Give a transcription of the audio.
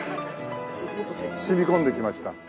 染み込んできました。